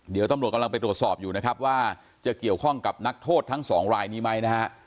เดี๋ยวตำรวจกำลังไปตรวจสอบอยู่นะครับว่าจะเกี่ยวข้องกับนักโทษทั้งสองรายนี้ไหมนะฮะ